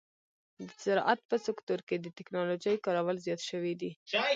د زراعت په سکتور کې د ټکنالوژۍ کارول زیات شوي دي.